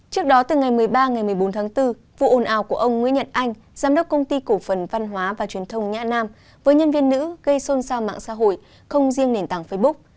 trước đó từ ngày một mươi ba ngày một mươi bốn tháng bốn vụ ồn ào của ông nguyễn nhật anh giám đốc công ty cổ phần văn hóa và truyền thông nhã nam với nhân viên nữ gây xôn xao mạng xã hội không riêng nền tảng facebook